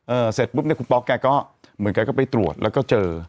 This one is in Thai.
เสร็จปุ๊บเนี่ยคุณป๊อกแกก็เหมือนกันก็ไปตรวจแล้วก็เจอ